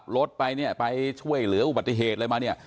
รถไปเนี่ยไปช่วยเหลืออุบัติเหตุอะไรมาเนี่ย